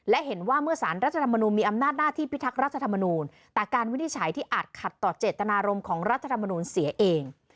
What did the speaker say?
และเห็นว่าเมื่อสารรัฐธรรมนุนมีอำนาจหน้าที่พิทักษ์รัฐธรรมนูลแต่การวินิจฉัยที่อาจขัดต่อเจตนารมณ์ของรัฐธรรมนูลเสียเอง